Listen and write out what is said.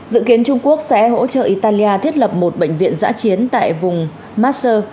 dự kiến trung quốc sẽ hỗ trợ italia thiết lập một bệnh viện giã chiến tại vùng masscher